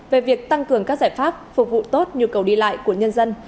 về việc tăng cường các giải pháp phục vụ tốt nhu cầu đi lại của nhân dân